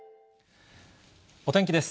お天気です。